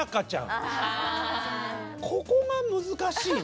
ここが難しいね。